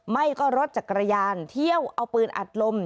ไม่ก็รถจักรยานเที่ยวเอาปืนอัดลม